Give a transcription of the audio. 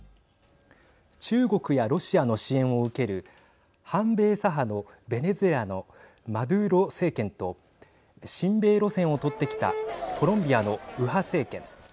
中国やロシアの支援を受ける反米左派のベネズエラのマドゥーロ政権と親米路線を取ってきたコロンビアの右派政権。